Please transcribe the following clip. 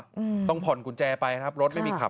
อืมต้องผ่อนกุญแจไปครับรถไม่มีขับ